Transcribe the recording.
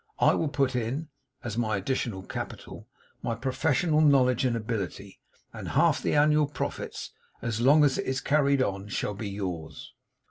I will put in, as my additional capital, my professional knowledge and ability; and half the annual profits, as long as it is carried on, shall be yours.